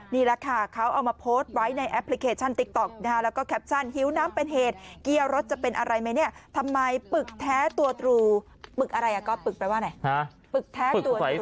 นี่แหละค่ะเขาเอามาโพสต์ไว้ในแอปพลิเคชันติ๊กต๊อกนะคะแล้วก็แคปชั่นหิวน้ำเป็นเหตุเกียร์รถจะเป็นอะไรไหมเนี่ยทำไมปึกแท้ตัวตรรูปึกอะไรอ่ะก๊อปปึกแปลว่าอะไรปึกแท้ตัวนี้